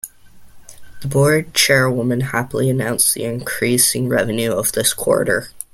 The board chairwoman happily announced increased revenues this quarter.